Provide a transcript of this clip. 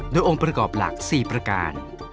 โดยองค์ประกอบหลัก๔ประการ